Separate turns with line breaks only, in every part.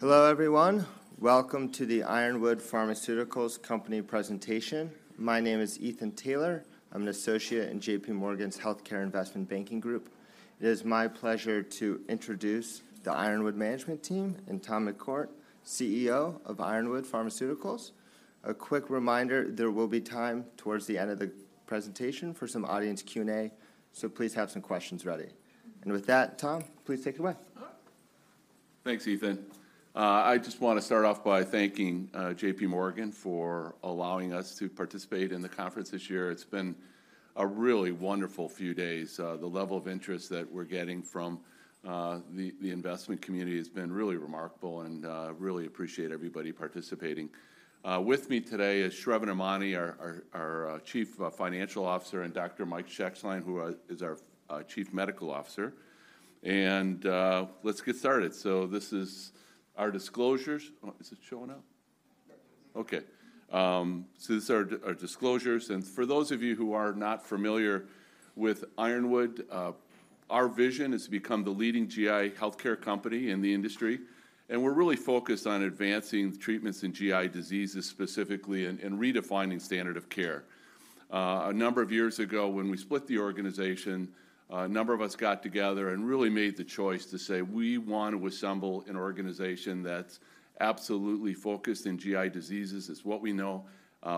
Hello, everyone. Welcome to the Ironwood Pharmaceuticals company presentation. My name is Ethan Taylor. I'm an associate in J.P. Morgan's Healthcare Investment Banking group. It is my pleasure to introduce the Ironwood management team and Tom McCourt, CEO of Ironwood Pharmaceuticals. A quick reminder, there will be time towards the end of the presentation for some audience Q&A, so please have some questions ready. With that, Tom, please take it away.
Thanks, Ethan. I just wanna start off by thanking J.P. Morgan for allowing us to participate in the conference this year. It's been a really wonderful few days. The level of interest that we're getting from the investment community has been really remarkable and really appreciate everybody participating. With me today is Sravan Emany, our Chief Financial Officer, and Dr. Mike Shetzline, who is our Chief Medical Officer. Let's get started. This is our disclosures. Is it showing up? Yeah, it is. Okay. So this is our disclosures, and for those of you who are not familiar with Ironwood, our vision is to become the leading GI healthcare company in the industry, and we're really focused on advancing treatments in GI diseases, specifically in redefining standard of care. A number of years ago, when we split the organization, a number of us got together and really made the choice to say: We want to assemble an organization that's absolutely focused in GI diseases. It's what we know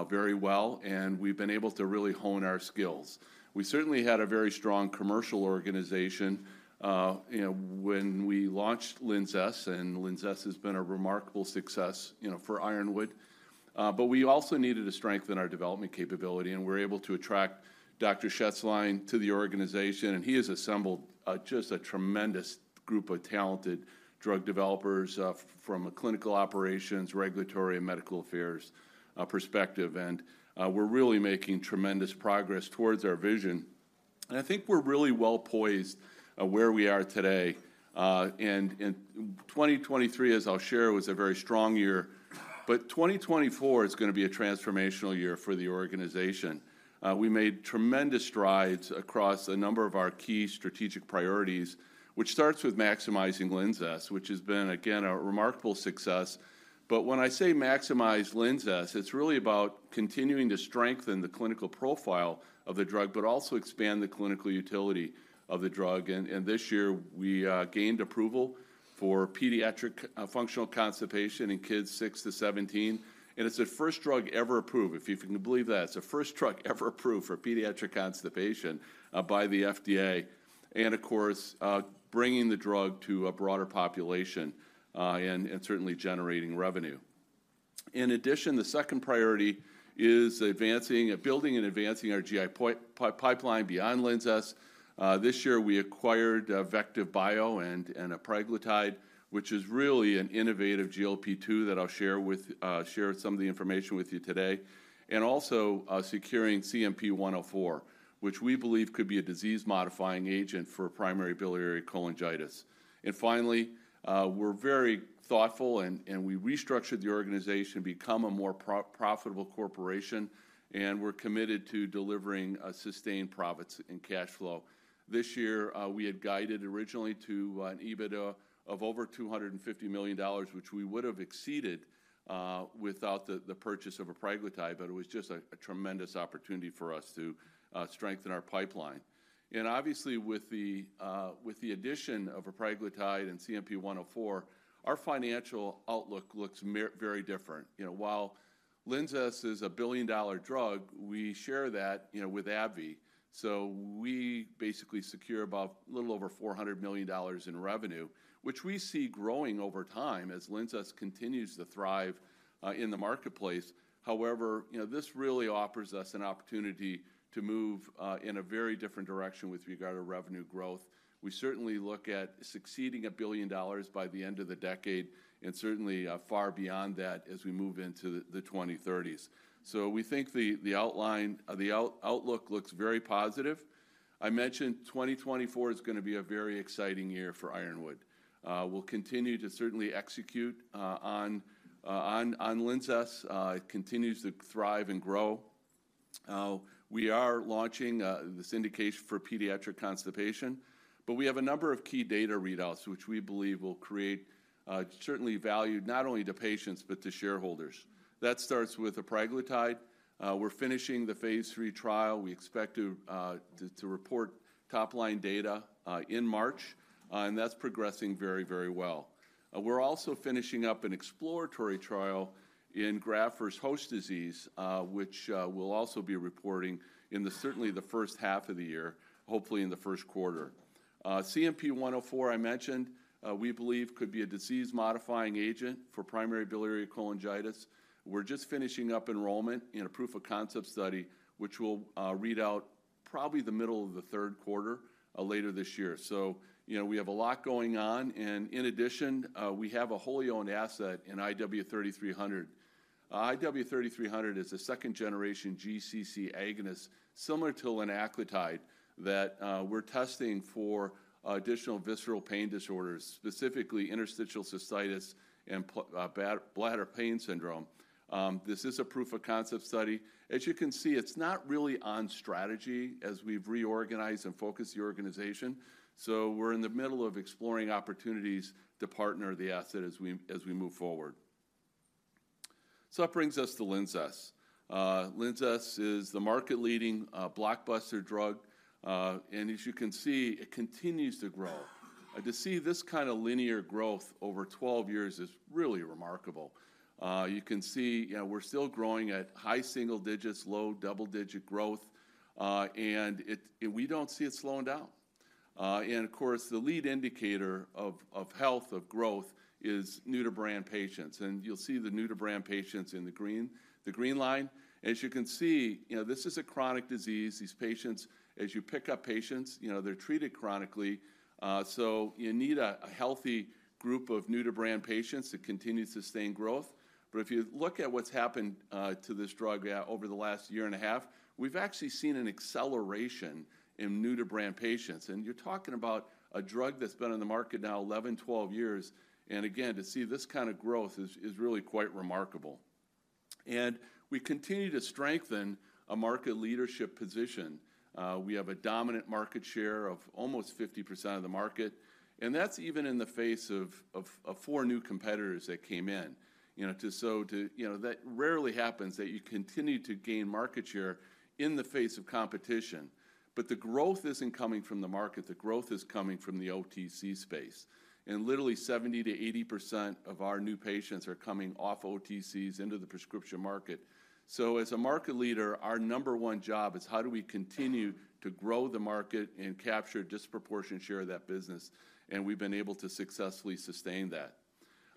very well, and we've been able to really hone our skills. We certainly had a very strong commercial organization, you know, when we launched LINZESS, and LINZESS has been a remarkable success, you know, for Ironwood. But we also needed to strengthen our development capability, and we were able to attract Dr. Shetzline to the organization, and he has assembled just a tremendous group of talented drug developers from a clinical operations, regulatory, and medical affairs perspective, and we're really making tremendous progress towards our vision. I think we're really well-poised where we are today. And 2023, as I'll share, was a very strong year, but 2024 is gonna be a transformational year for the organization. We made tremendous strides across a number of our key strategic priorities, which starts with maximizing LINZESS, which has been, again, a remarkable success. But when I say maximize LINZESS, it's really about continuing to strengthen the clinical profile of the drug, but also expand the clinical utility of the drug. And this year, we gained approval for pediatric functional constipation in kids 6-17, and it's the first drug ever approved. If you can believe that, it's the first drug ever approved for pediatric constipation by the FDA, and of course, bringing the drug to a broader population, and certainly generating revenue. In addition, the second priority is advancing, building and advancing our GI pipeline beyond LINZESS. This year, we acquired VectivBio and Apraglutide, which is really an innovative GLP-2 that I'll share some of the information with you today, and also securing CNP-104, which we believe could be a disease-modifying agent for primary biliary cholangitis. Finally, we're very thoughtful and we restructured the organization to become a more profitable corporation, and we're committed to delivering sustained profits and cash flow. This year, we had guided originally to an EBITDA of over $250 million, which we would have exceeded without the purchase of Apraglutide, but it was just a tremendous opportunity for us to strengthen our pipeline. And obviously, with the addition of Apraglutide and CNP-104, our financial outlook looks very different. You know, while LINZESS is a billion-dollar drug, we share that, you know, with AbbVie. So we basically secure about a little over $400 million in revenue, which we see growing over time as LINZESS continues to thrive in the marketplace. However, you know, this really offers us an opportunity to move in a very different direction with regard to revenue growth. We certainly look at succeeding $1 billion by the end of the decade and certainly far beyond that as we move into the 2030s. So we think the outlook looks very positive. I mentioned 2024 is gonna be a very exciting year for Ironwood. We'll continue to certainly execute on LINZESS. It continues to thrive and grow. We are launching this indication for pediatric constipation, but we have a number of key data readouts, which we believe will create certainly value not only to patients, but to shareholders. That starts with Apraglutide. We're finishing the phase III trial. We expect to report top-line data in March, and that's progressing very, very well. We're also finishing up an exploratory trial in Graves' disease, which we'll also be reporting in certainly the first half of the year, hopefully in the Q1. CNP-104, I mentioned, we believe could be a disease-modifying agent for primary biliary cholangitis. We're just finishing up enrollment in a proof-of-concept study, which will read out probably the middle of the Q3 later this year. So, you know, we have a lot going on, and in addition, we have a wholly-owned asset in IW-3300. IW-3300 is a second-generation GCC agonist, similar to linaclotide, that we're testing for additional visceral pain disorders, specifically interstitial cystitis and bladder pain syndrome. This is a proof-of-concept study. As you can see, it's not really on strategy as we've reorganized and focused the organization, so we're in the middle of exploring opportunities to partner the asset as we move forward. So that brings us to LINZESS. LINZESS is the market-leading blockbuster drug, and as you can see, it continues to grow. To see this kind of linear growth over 12 years is really remarkable. You can see, you know, we're still growing at high single digits, low double-digit growth, and it and we don't see it slowing down. And of course, the lead indicator of health of growth is new-to-brand patients, and you'll see the new-to-brand patients in the green line. As you can see, you know, this is a chronic disease. These patients, as you pick up patients, you know, they're treated chronically, so you need a healthy group of new-to-brand patients to continue to sustain growth. But if you look at what's happened to this drug over the last year and a half, we've actually seen an acceleration in new-to-brand patients, and you're talking about a drug that's been on the market now 11, 12 years. And again, to see this kind of growth is really quite remarkable. And we continue to strengthen a market leadership position. We have a dominant market share of almost 50% of the market, and that's even in the face of four new competitors that came in. You know, that rarely happens, that you continue to gain market share in the face of competition. But the growth isn't coming from the market. The growth is coming from the OTC space, and literally 70%-80% of our new patients are coming off OTCs into the prescription market. So as a market leader, our number one job is how do we continue to grow the market and capture a disproportionate share of that business? And we've been able to successfully sustain that.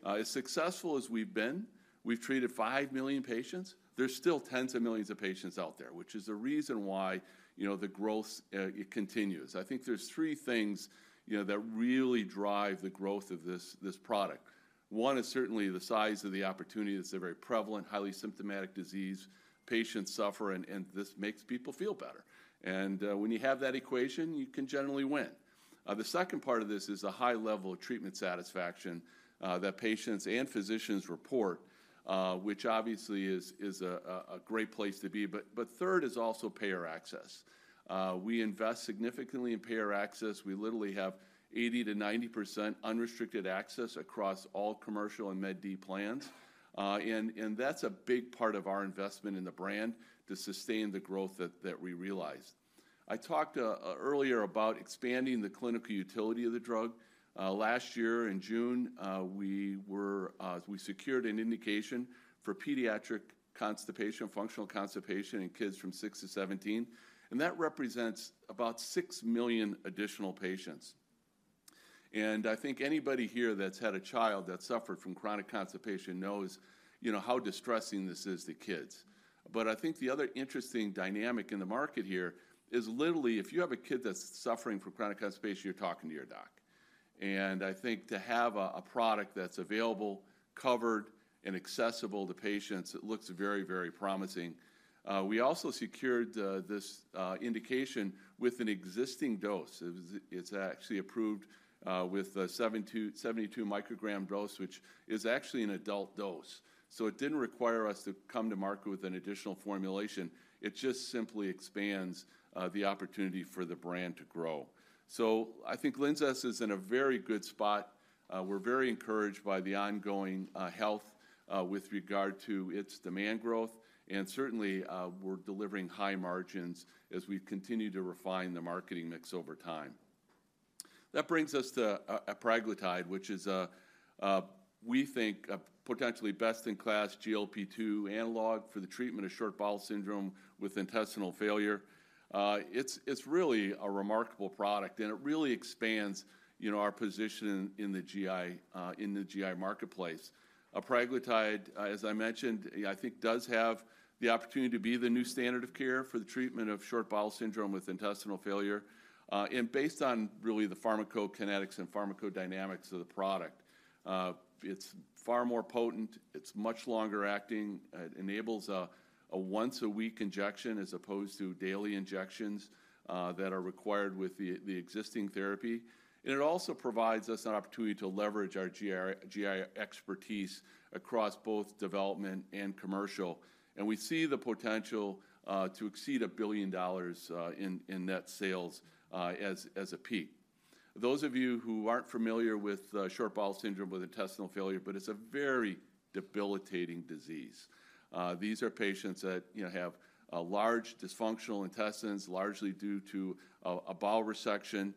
As successful as we've been, we've treated five million patients, there's still tens of millions of patients out there, which is the reason why, you know, the growth, it continues. I think there's three things, you know, that really drive the growth of this, this product. One is certainly the size of the opportunity. It's a very prevalent, highly symptomatic disease. Patients suffer, and, and this makes people feel better. When you have that equation, you can generally win. The second part of this is the high level of treatment satisfaction that patients and physicians report, which obviously is a great place to be. But third is also payer access. We invest significantly in payer access. We literally have 80%-90% unrestricted access across all commercial and Med D plans, and that's a big part of our investment in the brand to sustain the growth that we realized. I talked earlier about expanding the clinical utility of the drug. Last year in June, we secured an indication for pediatric constipation, functional constipation in kids from 6-17, and that represents about six million additional patients. I think anybody here that's had a child that suffered from chronic constipation knows, you know, how distressing this is to kids. But I think the other interesting dynamic in the market here is, literally, if you have a kid that's suffering from chronic constipation, you're talking to your doc. And I think to have a product that's available, covered, and accessible to patients, it looks very, very promising. We also secured this indication with an existing dose. It was, it's actually approved with a 72, 72-microgram dose, which is actually an adult dose. So it didn't require us to come to market with an additional formulation. It just simply expands the opportunity for the brand to grow. So I think LINZESS is in a very good spot. We're very encouraged by the ongoing health with regard to its demand growth, and certainly, we're delivering high margins as we continue to refine the marketing mix over time. That brings us to Apraglutide, which is, we think, a potentially best-in-class GLP-2 analog for the treatment of short bowel syndrome with intestinal failure. It's really a remarkable product, and it really expands, you know, our position in the GI marketplace. Apraglutide, as I mentioned, I think does have the opportunity to be the new standard of care for the treatment of short bowel syndrome with intestinal failure. And based on really the pharmacokinetics and pharmacodynamics of the product, it's far more potent, it's much longer acting, it enables a once-a-week injection as opposed to daily injections that are required with the existing therapy. And it also provides us an opportunity to leverage our GI expertise across both development and commercial, and we see the potential to exceed $1 billion in net sales as a peak. Those of you who aren't familiar with short bowel syndrome with intestinal failure, but it's a very debilitating disease. These are patients that, you know, have large dysfunctional intestines, largely due to a bowel resection.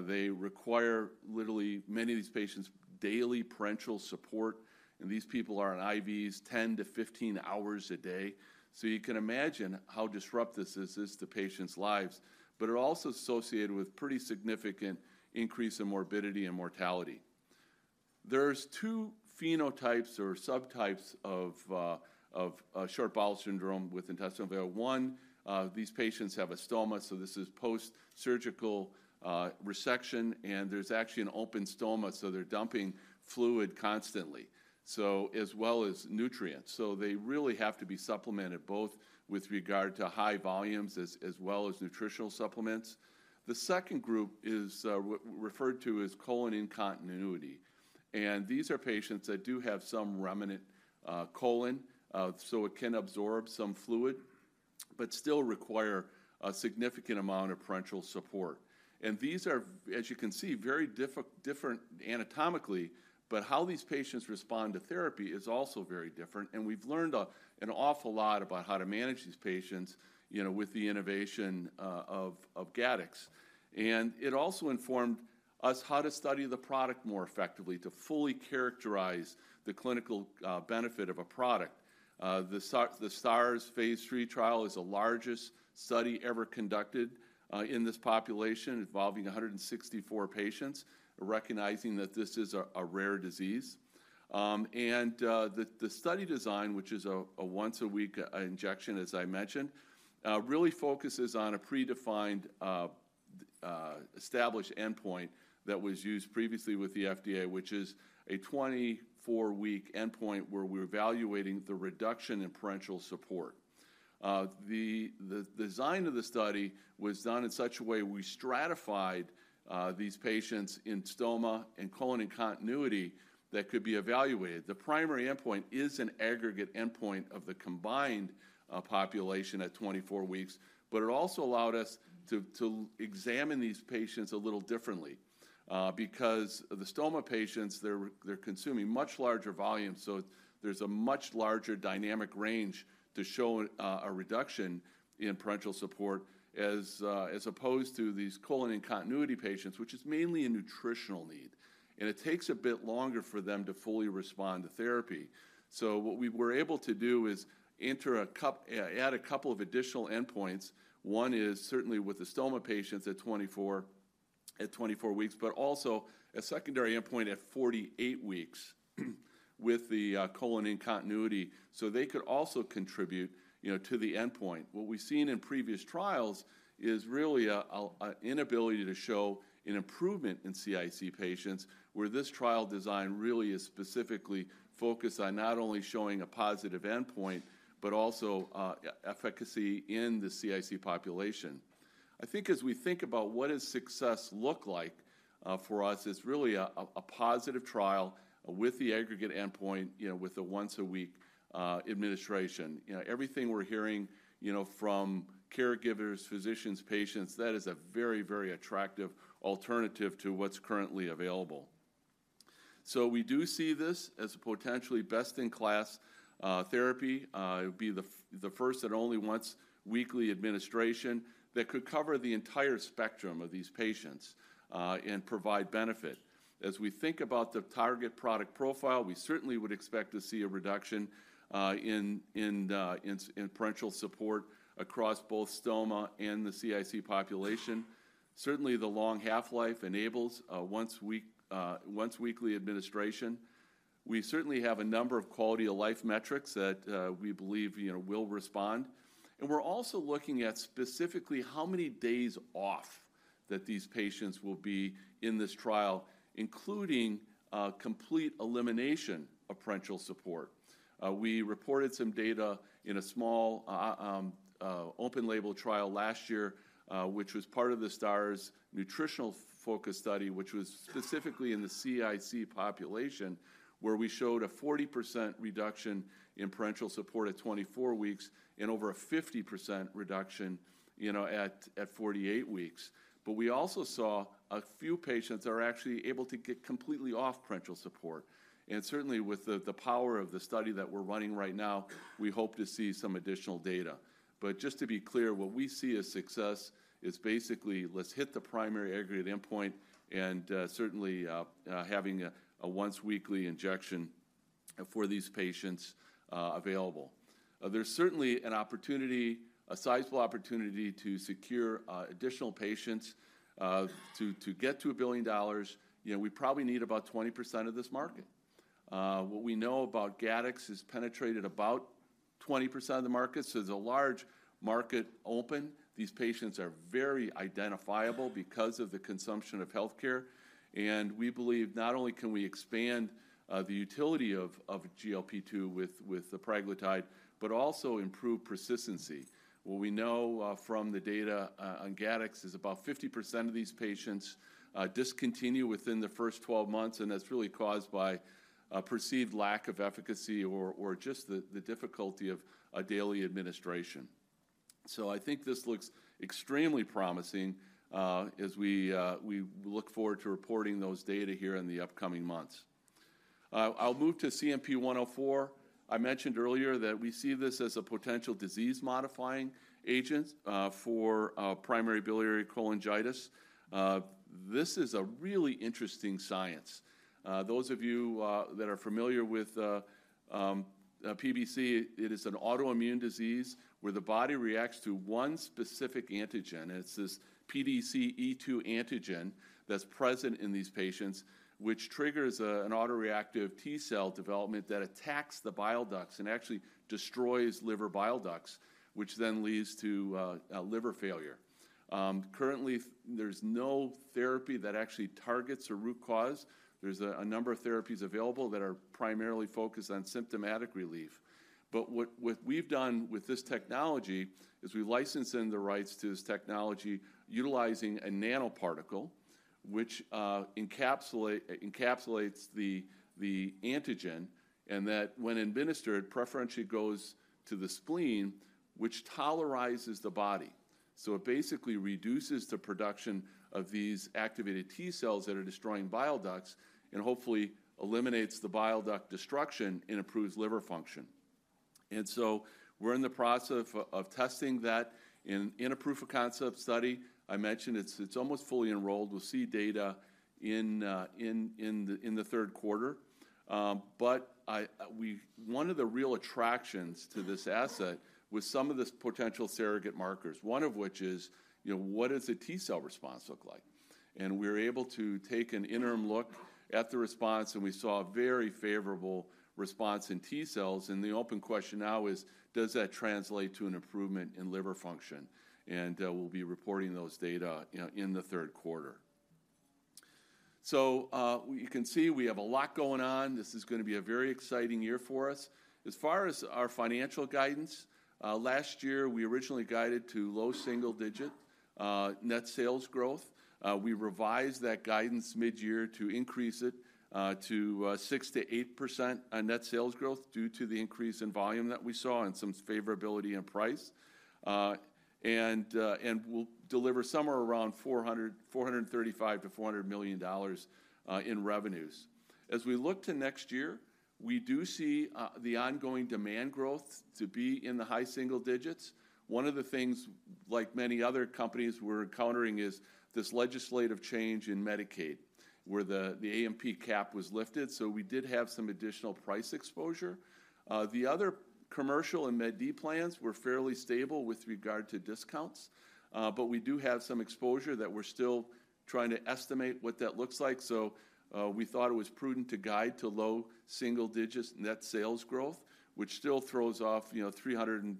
They require, literally, many of these patients, daily parenteral support, and these people are on IVs 10-15 hours a day. So you can imagine how disruptive this is to patients' lives, but it also associated with pretty significant increase in morbidity and mortality. There's two phenotypes or subtypes of short bowel syndrome with intestinal failure. One, these patients have a stoma, so this is post-surgical resection, and there's actually an open stoma, so they're dumping fluid constantly, so as well as nutrients. So they really have to be supplemented both with regard to high volumes as well as nutritional supplements. The second group is referred to as colon-in-continuity, and these are patients that do have some remnant colon, so it can absorb some fluid, but still require a significant amount of parenteral support. These are, as you can see, very different anatomically, but how these patients respond to therapy is also very different, and we've learned an awful lot about how to manage these patients, you know, with the innovation of GATTEX. And it also informed us how to study the product more effectively, to fully characterize the clinical benefit of a product. The STARS phase III trial is the largest study ever conducted in this population, involving 164 patients, recognizing that this is a rare disease. And the study design, which is a once a week injection, as I mentioned, really focuses on a predefined established endpoint that was used previously with the FDA, which is a 24-week endpoint where we're evaluating the reduction in parenteral support. The design of the study was done in such a way, we stratified these patients in stoma and colon-in-continuity that could be evaluated. The primary endpoint is an aggregate endpoint of the combined population at 24 weeks, but it also allowed us to examine these patients a little differently. Because the stoma patients, they're consuming much larger volumes, so there's a much larger dynamic range to show a reduction in parenteral support as opposed to these colon-in-continuity patients, which is mainly a nutritional need. And it takes a bit longer for them to fully respond to therapy. So what we were able to do is add a couple of additional endpoints. One is certainly with the stoma patients at 24, at 24 weeks, but also a secondary endpoint at 48 weeks with the colon-in-continuity, so they could also contribute, you know, to the endpoint. What we've seen in previous trials is really an inability to show an improvement in CIC patients, where this trial design really is specifically focused on not only showing a positive endpoint, but also efficacy in the CIC population. I think as we think about what does success look like for us, it's really a positive trial with the aggregate endpoint, you know, with a once a week administration. You know, everything we're hearing, you know, from caregivers, physicians, patients, that is a very, very attractive alternative to what's currently available. So we do see this as a potentially best-in-class therapy. It would be the first and only once weekly administration that could cover the entire spectrum of these patients and provide benefit. As we think about the target product profile, we certainly would expect to see a reduction in parenteral support across both stoma and the CIC population. Certainly, the long half-life enables a once weekly administration. We certainly have a number of quality of life metrics that we believe, you know, will respond. And we're also looking at specifically how many days off that these patients will be in this trial, including complete elimination of parenteral support. We reported some data in a small open label trial last year, which was part of the STARS nutritional focus study, which was specifically in the CIC population, where we showed a 40% reduction in parenteral support at 24 weeks and over a 50% reduction, you know, at 48 weeks. But we also saw a few patients are actually able to get completely off parenteral support. And certainly, with the power of the study that we're running right now, we hope to see some additional data. But just to be clear, what we see as success is basically, let's hit the primary aggregate endpoint and, certainly, having a once weekly injection for these patients available. There's certainly an opportunity, a sizable opportunity to secure additional patients. To get to a billion dollars, you know, we probably need about 20% of this market. What we know about GATTEX is penetrated about 20% of the market, so there's a large market open. These patients are very identifiable because of the consumption of healthcare, and we believe not only can we expand the utility of GLP-2 with the Apraglutide, but also improve persistency. What we know from the data on GATTEX is about 50% of these patients discontinue within the first 12 months, and that's really caused by a perceived lack of efficacy or just the difficulty of a daily administration. So I think this looks extremely promising as we look forward to reporting those data here in the upcoming months. I'll move to CNP-104. I mentioned earlier that we see this as a potential disease-modifying agent for primary biliary cholangitis. This is a really interesting science. Those of you that are familiar with PBC, it is an autoimmune disease where the body reacts to one specific antigen. It's this PDC-E2 antigen that's present in these patients, which triggers an autoreactive T-cell development that attacks the bile ducts and actually destroys liver bile ducts, which then leads to liver failure. Currently, there's no therapy that actually targets a root cause. There's a number of therapies available that are primarily focused on symptomatic relief. But what we've done with this technology is we've licensed in the rights to this technology utilizing a nanoparticle, which encapsulates the antigen, and that when administered, preferentially goes to the spleen, which tolerizes the body. So it basically reduces the production of these activated T cells that are destroying bile ducts, and hopefully eliminates the bile duct destruction and improves liver function. And so we're in the process of testing that in a proof of concept study. I mentioned it's almost fully enrolled. We'll see data in the Q3. But we—One of the real attractions to this asset was some of the potential surrogate markers, one of which is, you know, what does a T cell response look like? We're able to take an interim look at the response, and we saw a very favorable response in T cells. The open question now is: Does that translate to an improvement in liver function? We'll be reporting those data, you know, in the Q3. We can see we have a lot going on. This is gonna be a very exciting year for us. As far as our financial guidance, last year, we originally guided to low single-digit net sales growth. We revised that guidance mid-year to increase it to 6%-8% net sales growth due to the increase in volume that we saw and some favorability in price. And we'll deliver somewhere around $435 million-$400 million in revenues. As we look to next year, we do see the ongoing demand growth to be in the high single digits. One of the things, like many other companies we're encountering, is this legislative change in Medicaid, where the AMP cap was lifted, so we did have some additional price exposure. The other commercial and Med D plans were fairly stable with regard to discounts, but we do have some exposure that we're still trying to estimate what that looks like. So, we thought it was prudent to guide to low single digits net sales growth, which still throws off, you know, $435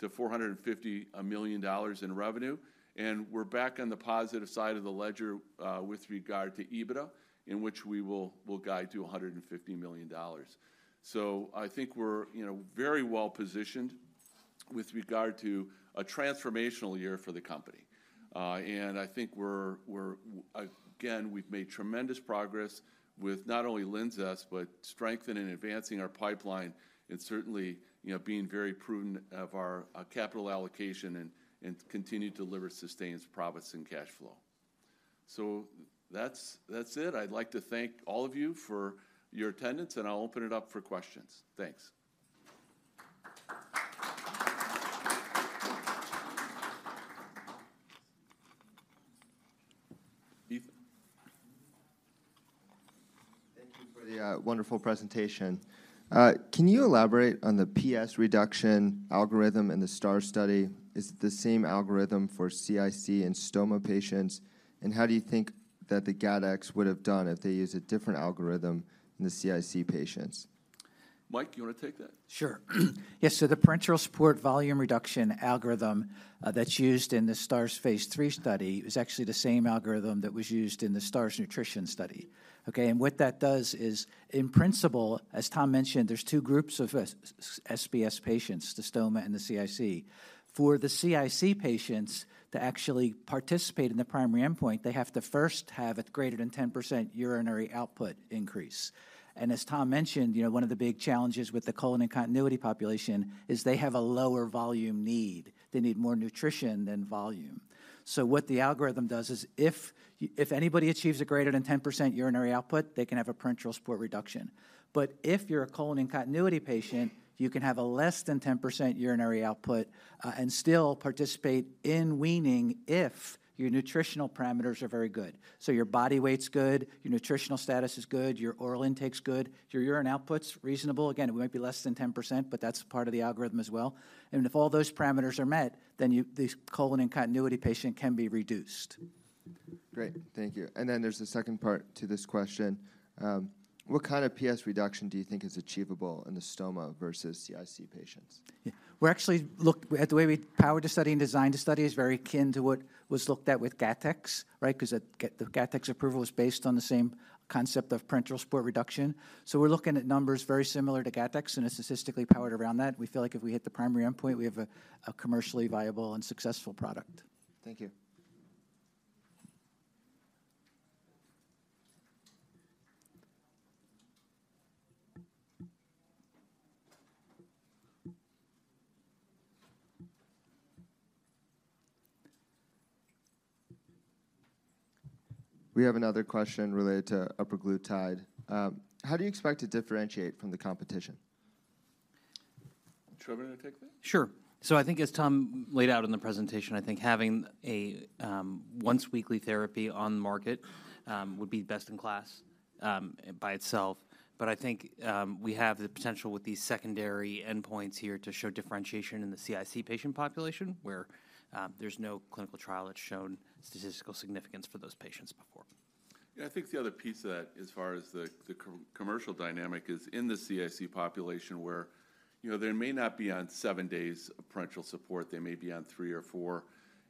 million-$450 million in revenue. And we're back on the positive side of the ledger, with regard to EBITDA, in which we will guide to $150 million. So I think we're, you know, very well positioned with regard to a transformational year for the company. And I think we're again, we've made tremendous progress with not only LINZESS, but strengthening and advancing our pipeline and certainly, you know, being very prudent of our capital allocation and continue to deliver sustained profits and cash flow. So that's it. I'd like to thank all of you for your attendance, and I'll open it up for questions. Thanks. Ethan?
Thank you for the wonderful presentation. Can you elaborate on the PS reduction algorithm in the STARS study? Is it the same algorithm for CIC and stoma patients? And how do you think that the GATTEX would have done if they used a different algorithm in the CIC patients?
Mike, you wanna take that?
Sure. Yes, so the parenteral support volume reduction algorithm that's used in the STARS Phase III study is actually the same algorithm that was used in the STARS Nutrition study. Okay, and what that does is, in principle, as Tom mentioned, there's two groups of SBS patients, the stoma and the CIC. For the CIC patients to actually participate in the primary endpoint, they have to first have a greater than 10% urinary output increase. And as Tom mentioned, you know, one of the big challenges with the colon-in-continuity population is they have a lower volume need. They need more nutrition than volume. So what the algorithm does is if anybody achieves a greater than 10% urinary output, they can have a parenteral support reduction. But if you're a colon-in-continuity patient, you can have a less than 10% urinary output, and still participate in weaning if your nutritional parameters are very good. So your body weight's good, your nutritional status is good, your oral intake's good, your urine output's reasonable. Again, it might be less than 10%, but that's part of the algorithm as well. And if all those parameters are met, then you-- this colon-in-continuity patient can be reduced.
Great. Thank you. And then there's a second part to this question. What kind of PS reduction do you think is achievable in the stoma versus CIC patients?
Yeah. We're actually the way we powered the study and designed the study is very akin to what was looked at with GATTEX, right? 'Cause the GATTEX approval was based on the same concept of parenteral support reduction. So we're looking at numbers very similar to GATTEX, and it's statistically powered around that. We feel like if we hit the primary endpoint, we have a commercially viable and successful product.
Thank you. We have another question related to Apraglutide. How do you expect to differentiate from the competition?
Sravan, you wanna take that?
Sure. So I think as Tom laid out in the presentation, I think having a once weekly therapy on the market would be best in class by itself. But I think we have the potential with these secondary endpoints here to show differentiation in the CIC patient population, where there's no clinical trial that's shown statistical significance for those patients before.
Yeah, I think the other piece of that, as far as the commercial dynamic, is in the CIC population, where, you know, they may not be on seven days of parenteral support, they may be on three or four,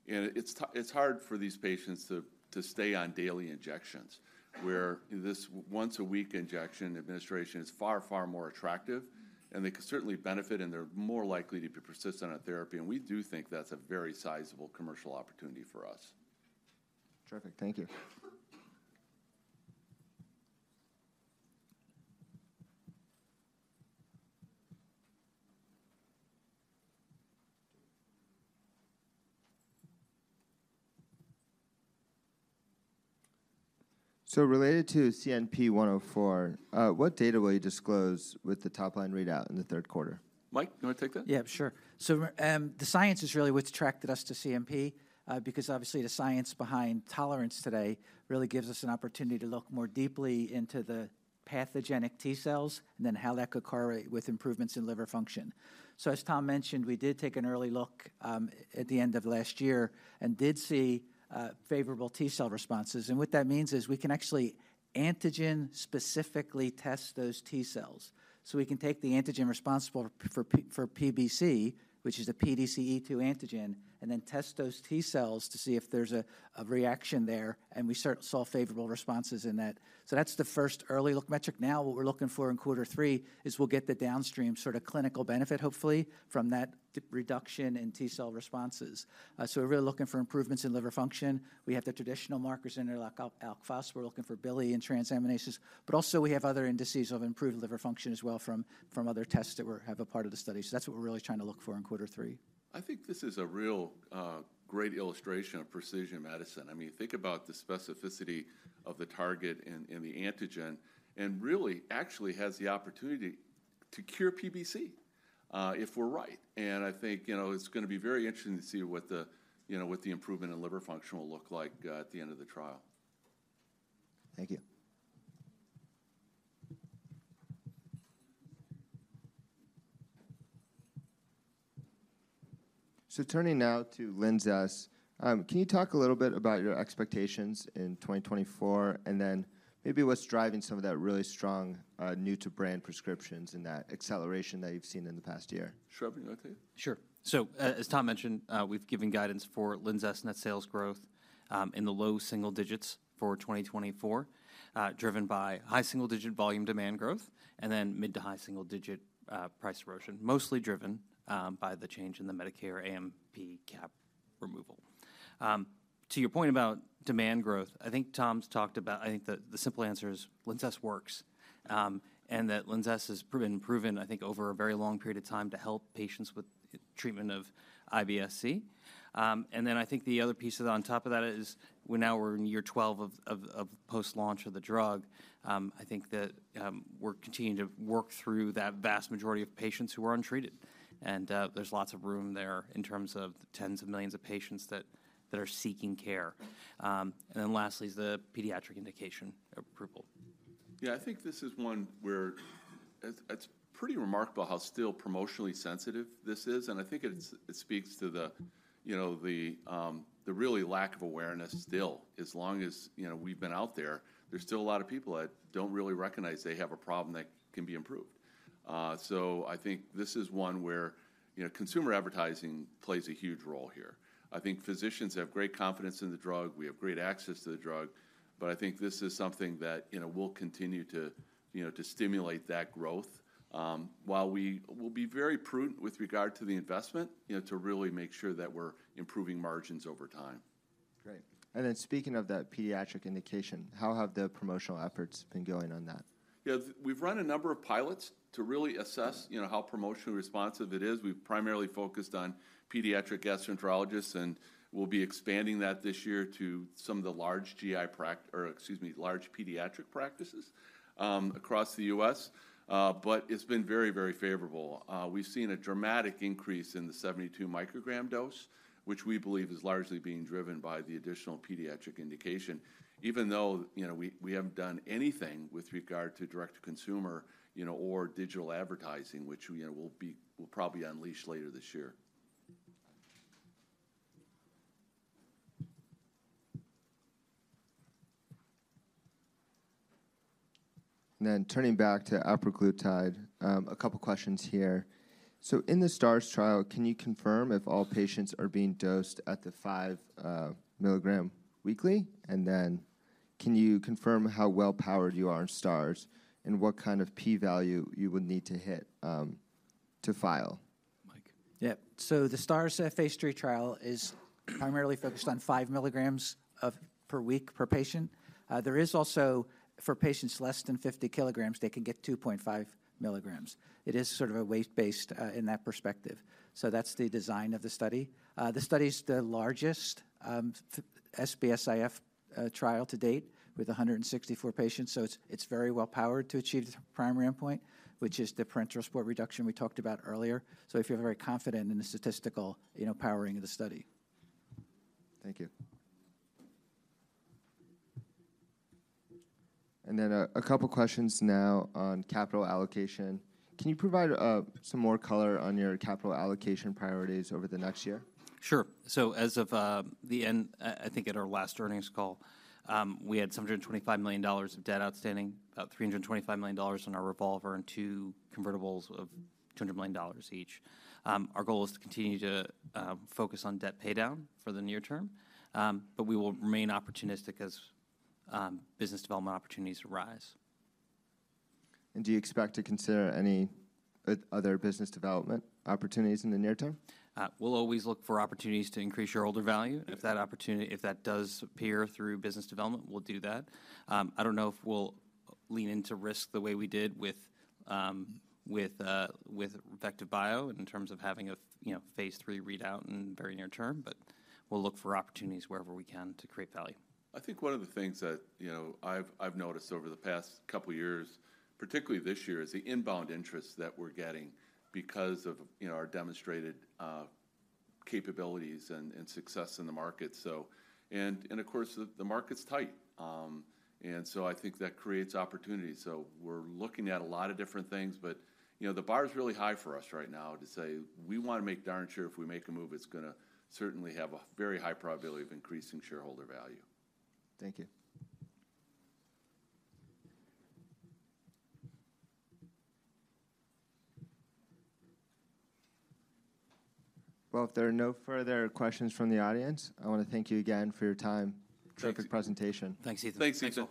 and it's hard for these patients to stay on daily injections. Where this once a week injection administration is far, far more attractive, and they can certainly benefit, and they're more likely to be persistent on therapy. And we do think that's a very sizable commercial opportunity for us.
Terrific. Thank you. So related to CNP-104, what data will you disclose with the top line readout in the Q3?
Mike, you wanna take that?
Yeah, sure. So the science is really what's attracted us to CNP, because obviously the science behind tolerance today really gives us an opportunity to look more deeply into the pathogenic T cells, and then how that could correlate with improvements in liver function. So as Tom mentioned, we did take an early look at the end of last year and did see favorable T cell responses. And what that means is, we can actually antigen-specifically test those T cells. So we can take the antigen responsible for PBC, which is a PDC-E2 antigen, and then test those T cells to see if there's a reaction there, and we saw favorable responses in that. So that's the first early look metric. Now, what we're looking for in quarter three, is we'll get the downstream sort of clinical benefit, hopefully, from that reduction in T cell responses. So we're really looking for improvements in liver function. We have the traditional markers in there, like alk phos. We're looking for bilirubin and transaminases, but also we have other indices of improved liver function as well from other tests that have a part of the study. So that's what we're really trying to look for in quarter three.
I think this is a real great illustration of precision medicine. I mean, think about the specificity of the target and, and the antigen, and really actually has the opportunity to cure PBC, if we're right. I think, you know, it's gonna be very interesting to see what the, you know, what the improvement in liver function will look like, at the end of the trial.
Thank you.
So turning now to LINZESS. Can you talk a little bit about your expectations in 2024? And then maybe what's driving some of that really strong, new to brand prescriptions and that acceleration that you've seen in the past year?
Sravan, you want to take it?
Sure. So, as Tom mentioned, we've given guidance for LINZESS net sales growth in the low single digits for 2024, driven by high single digit volume demand growth, and then mid to high single digit price erosion. Mostly driven by the change in the Medicare AMP cap removal. To your point about demand growth, I think Tom's talked about—I think the simple answer is, LINZESS works, and that LINZESS has been proven, I think, over a very long period of time, to help patients with treatment of IBS-C. And then I think the other piece that on top of that is, we're now in year 12 of post-launch of the drug. I think that we're continuing to work through that vast majority of patients who are untreated, and there's lots of room there in terms of the tens of millions of patients that are seeking care. And then lastly is the pediatric indication approval.
Yeah, I think this is one where it's pretty remarkable how still promotionally sensitive this is, and I think it speaks to the, you know, the really lack of awareness still. As long as, you know, we've been out there, there's still a lot of people that don't really recognize they have a problem that can be improved. So I think this is one where, you know, consumer advertising plays a huge role here. I think physicians have great confidence in the drug. We have great access to the drug, but I think this is something that, you know, will continue to, you know, to stimulate that growth. While we will be very prudent with regard to the investment, you know, to really make sure that we're improving margins over time.
Great. Speaking of that pediatric indication, how have the promotional efforts been going on that?
Yeah, we've run a number of pilots to really assess, you know, how promotionally responsive it is. We've primarily focused on pediatric gastroenterologists, and we'll be expanding that this year to some of the or excuse me, large pediatric practices, across the U.S. But it's been very, very favorable. We've seen a dramatic increase in the 72 microgram dose, which we believe is largely being driven by the additional pediatric indication. Even though, you know, we haven't done anything with regard to direct to consumer, you know, or digital advertising, which, you know, we'll probably unleash later this year.
Then turning back to Apraglutide, a couple questions here. In the STARS trial, can you confirm if all patients are being dosed at the 5mg weekly? And then can you confirm how well-powered you are in STARS, and what kind of p-value you would need to hit to file?
Mike?
Yeah. So the STARS phase three trial is primarily focused on 5mg once per week per patient. There is also, for patients less than 50 kg, they can get 2.5 mg. It is sort of a weight-based, in that perspective. So that's the design of the study. The study's the largest SBS-IF trial to date, with 164 patients, so it's very well-powered to achieve the primary endpoint, which is the parenteral support reduction we talked about earlier. So I feel very confident in the statistical, you know, powering of the study.
Thank you. And then, a couple questions now on capital allocation. Can you provide, some more color on your capital allocation priorities over the next year?
Sure. So as of the end, I think at our last earnings call, we had $725 million of debt outstanding, about $325 million in our revolver, and two convertibles of $200 million each. Our goal is to continue to focus on debt paydown for the near term, but we will remain opportunistic as business development opportunities arise.
Do you expect to consider any other business development opportunities in the near term?
We'll always look for opportunities to increase shareholder value. If that opportunity—if that does appear through business development, we'll do that. I don't know if we'll lean into risk the way we did with, with VectivBio in terms of having a—you know, phase 3 readout in very near term, but we'll look for opportunities wherever we can to create value.
I think one of the things that, you know, I've noticed over the past couple years, particularly this year, is the inbound interest that we're getting because of, you know, our demonstrated capabilities and success in the market. So... And of course, the market's tight, and so I think that creates opportunity. So we're looking at a lot of different things, but, you know, the bar is really high for us right now to say, "We want to make darn sure if we make a move, it's gonna certainly have a very high probability of increasing shareholder value.
Thank you. Well, if there are no further questions from the audience, I wanna thank you again for your time.
Thanks.
Great presentation.
Thanks, Ethan.
Thanks, Ethan.